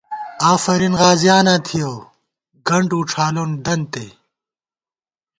آفرین غازیاناں تھِیَؤ ، گنٹ وڄھالون دنتے